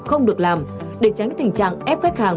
không được làm để tránh tình trạng ép khách hàng